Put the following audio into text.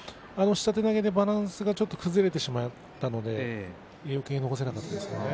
下手投げでバランスがちょっと崩れてしまったので残せなかったですね。